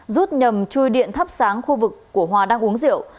rút nhầm chui điện thắp sáng khu vực của hòa đang uống rượu